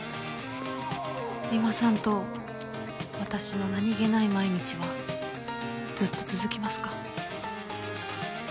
三馬さんと私の何げない毎日はずっと続きますか？